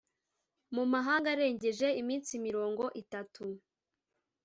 mu mahanga arengeje iminsi mirongo itatu